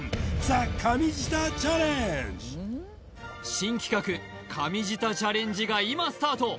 新企画神舌チャレンジが今スタート！